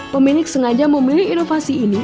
pemilik sengaja memilih inovasi ini